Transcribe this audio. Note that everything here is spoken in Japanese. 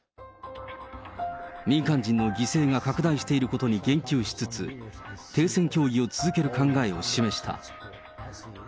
民間人の犠牲が拡大していることに言及しつつ、停戦協議を続ける考えを示した。